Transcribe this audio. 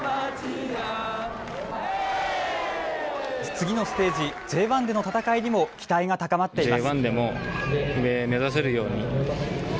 次のステージ、Ｊ１での戦いにも期待が高まっています。